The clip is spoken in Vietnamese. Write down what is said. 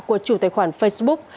của chủ tài khoản facebook